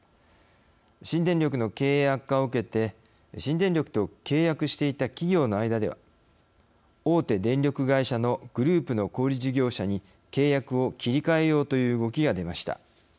新電力の経営悪化を受けて新電力と契約していた企業の間では、大手電力会社のグループの小売事業者に契約を切り替えようという動きが出ました。